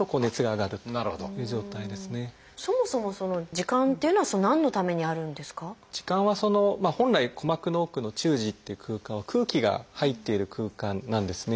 耳管は本来鼓膜の奥の中耳っていう空間は空気が入っている空間なんですね。